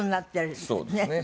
そうですね。